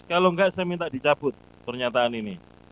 kalau enggak saya minta dicabut pernyataan ini